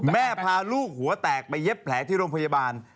พาลูกหัวแตกไปเย็บแผลที่โรงพยาบาล